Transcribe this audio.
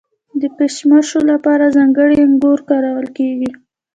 د کشمشو لپاره ځانګړي انګور کارول کیږي.